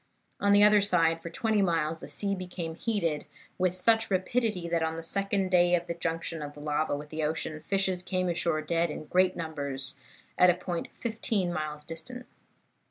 On either side, for twenty miles, the sea became heated, with such rapidity that, on the second day of the junction of the lava with the ocean, fishes came ashore dead in great numbers, at a point fifteen miles distant.